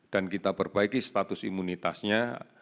kita perbaiki status imunitasnya